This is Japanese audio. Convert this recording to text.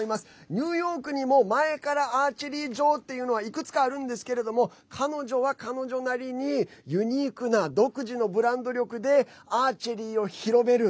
ニューヨークにも前からアーチェリー場っていうのはいくつかあるんですけど彼女は彼女なりにユニークな独自のブランド力でアーチェリーを広める。